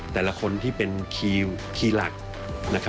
แต่ละคนที่เป็นคีย์หลัก